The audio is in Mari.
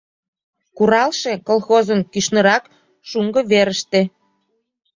«Куралше» колхозын кӱшнырак, шуҥго верыште.